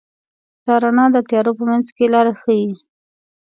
دا رڼا د تیارو په منځ کې لاره ښيي.